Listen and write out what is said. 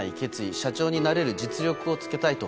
社長になれる実力をつけたいと。